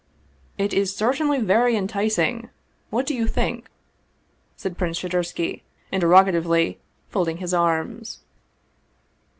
" It is certainly very enticing; what do you think? " said Prince Shadursky interrogatively, folding his arms.